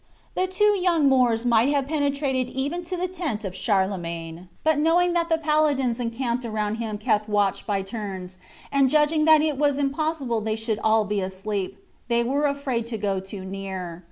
The two young Moors might have penetrated even to the tent of Charlemagne; but knowing that the paladins encamped around him kept watch by turns, and judging that it was impossible they should all be asleep, they were afraid to go too near.